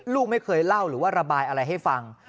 ลูกไม่เคยเล่าหรือว่าระบายอะไรให้ฟัง